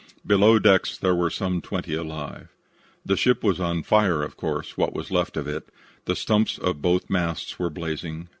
Below decks there were some twenty alive. "The ship was on fire, of course, what was left of it. The stumps of both masts were blazing.